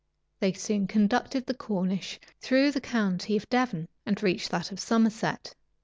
They soon conducted the Cornish through the county of Devon, and reached that of Somerset.